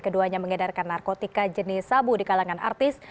keduanya mengedarkan narkotika jenis sabu di kalangan artis